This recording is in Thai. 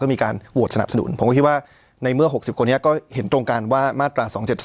ที่การโหวตสนับสนุนในเมื่อ๖๐พิธีนี้เต็มตรมาตรา๒๗๒